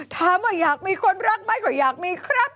ถามว่าอยากมีคนรักไหมก็อยากมีครับ